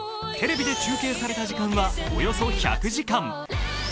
テレビで中継された時間はおよそ１００時間。